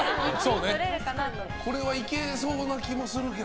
これはいけそうな気もするな。